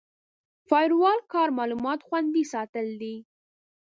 د فایروال کار معلومات خوندي ساتل دي.